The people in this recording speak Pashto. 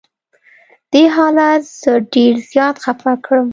دې حالت زه ډېر زیات خفه کړم.